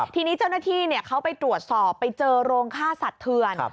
ทีนี้เจ้าหน้าที่เขาไปตรวจสอบไปเจอโรงฆ่าสัตว์เถื่อน